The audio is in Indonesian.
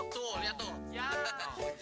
tuh lihat tuh